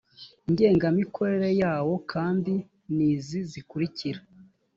ngengamikorere yawo kandi ni izi zikurikira